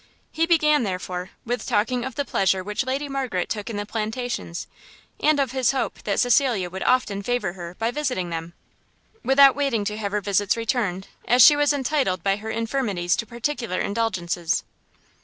He began, therefore, with talking of the pleasure which Lady Margaret took in the plantations, and of his hope that Cecilia would often favour her by visiting them, without waiting to have her visits returned, as she was entitled by her infirmities to particular indulgencies.